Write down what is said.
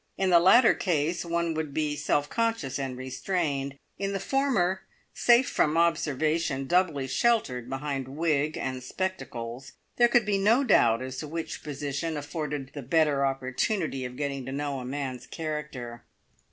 In the latter case one would be self conscious and restrained; in the former, safe from observation, doubly sheltered behind wig and spectacles, there could be no doubt as to which position afforded the better opportunity of getting to know a man's character.